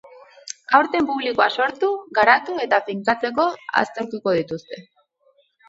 Aurten publikoa sortu, garatu eta finkatzeko aztertuko dituzte.